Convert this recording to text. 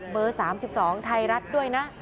เบอร์๓๒ไทรัฐด้วยนะ